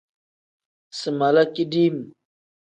Si mala kidim.